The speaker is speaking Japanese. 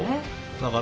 だから。